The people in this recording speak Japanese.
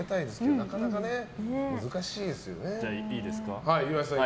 なかなかね難しいですね。